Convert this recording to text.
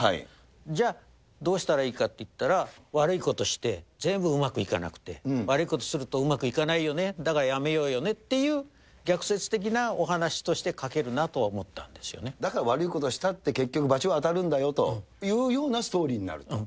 じゃあ、どうしたらいいかっていったら、悪いことして、全部うまくいかなくて、悪いことするとうまくいかないよね、だからやめようよねっていう逆説的なお話として描けるなとは思っだから悪いことをしたって、結局、ばちは当たるんだよというようなストーリーになると。